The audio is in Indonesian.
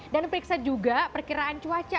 dan periksa juga perkiraan cuaca